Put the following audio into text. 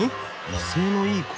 威勢のいい声。